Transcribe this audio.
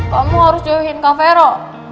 kamu harus jauhin kak fero